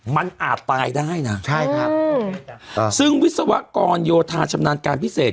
มันอาจตายได้นะใช่ครับซึ่งวิศวกรโยธาชำนาญการพิเศษ